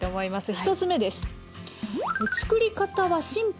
１つ目です。